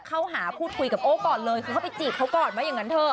เข้าหาพูดคุยกับโอ้ก่อนเลยคือเข้าไปจีบเขาก่อนว่าอย่างนั้นเถอ